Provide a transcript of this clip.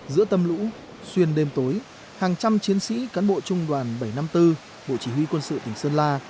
giữa tâm lũ xuyên đêm tối hàng trăm chiến sĩ cán bộ trung đoàn bảy trăm năm mươi bốn bộ chỉ huy quân sự tỉnh sơn la